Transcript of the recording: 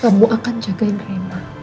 kamu akan jagain rena